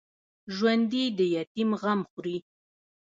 ژوندي د یتیم غم خوري